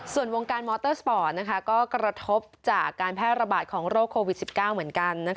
ส่วนวงการมอเตอร์สปอร์ตก็กระทบจากการแพร่ระบาดของโรคโควิด๑๙เหมือนกัน